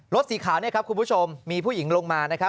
สีขาวเนี่ยครับคุณผู้ชมมีผู้หญิงลงมานะครับ